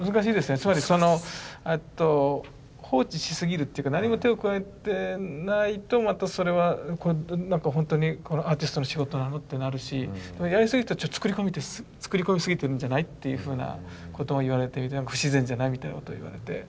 つまりそのえっと放置しすぎるっていうか何も手を加えてないとまたそれは何かほんとにアーティストの仕事なの？ってなるしやりすぎると作り込みすぎてるんじゃないっていうふうなことを言われて不自然じゃない？みたいなことを言われて。